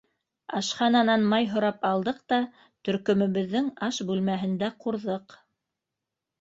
Ашхананан май һорап алдыҡ та, төркөмөбөҙҙөң аш бүлмәһендә ҡурҙыҡ.